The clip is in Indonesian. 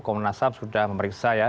komunasab sudah memeriksa ya